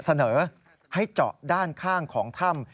เสนอให้เจาะด้านข้างของถ้ำ